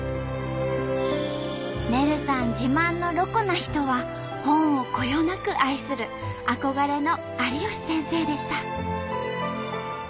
ねるさん自慢のロコな人は本をこよなく愛する憧れの有吉先生でした。